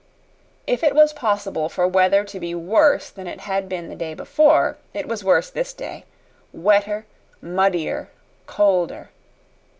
If it was possible for weather to be worse than it had been the day before, it was worse this day wetter, muddier, colder.